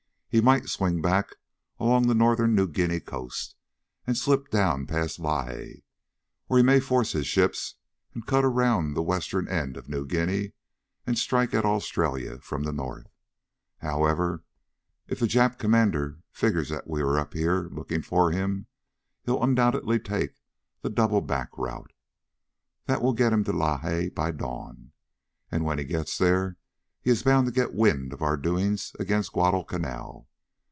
He might swing back along the northern New Guinea coast, and slip down past Lae. Or he may force his ships and cut around the western end of New Guinea, and strike at Australia from the north. However, if the Jap commander figures that we are up here looking for him, he'll undoubtedly take the double back route. That will get him to Lae by dawn. And when he gets there he is bound to get wind of our doings against Guadalcanal.